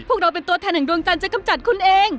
พวกเราเป็นตัวแทนแห่งดวงจันทร์จะกำจัดคุณเอง